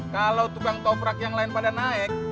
kalau tukang toprak yang gak naik gak naik juga